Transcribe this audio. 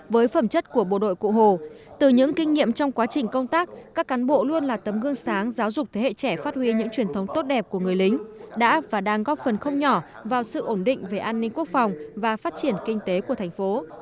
với phẩm chất của bộ đội cụ hồ từ những kinh nghiệm trong quá trình công tác các cán bộ luôn là tấm gương sáng giáo dục thế hệ trẻ phát huy những truyền thống tốt đẹp của người lính đã và đang góp phần không nhỏ vào sự ổn định về an ninh quốc phòng và phát triển kinh tế của thành phố